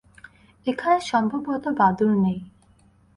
এখানে সম্ভবত বাদুড় নেই।